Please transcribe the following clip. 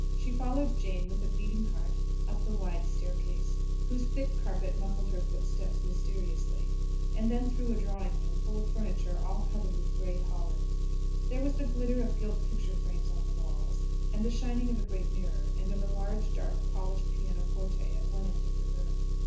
She followed Jane with a beating heart up the wide staircase, whose thick carpet muffled her footsteps mysteriously, and then through a drawing room full of furniture all covered with grey holland. There was the glitter of gilt picture frames on the walls, and the shining of a great mirror, and of a large, dark, polished pianoforte at one end of the room.